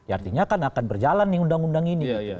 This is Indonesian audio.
artinya kan akan berjalan nih undang undang ini